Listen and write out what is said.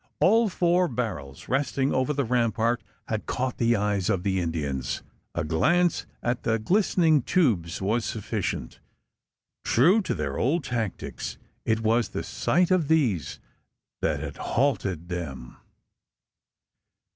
All four barrels resting over the rampart had caught the eyes of the Indians. A glance at the glistening tubes was sufficient. True to their old tactics, it was the sight of these that had halted them!